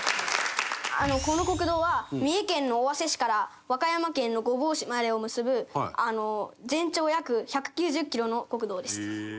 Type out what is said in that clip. この国道は三重県の尾鷲市から和歌山県の御坊市までを結ぶ全長約１９０キロの国道です。